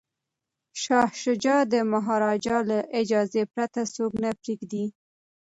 شاه شجاع د مهاراجا له اجازې پرته څوک نه پریږدي.